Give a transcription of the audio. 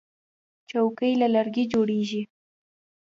چوکۍ له لرګي جوړیږي.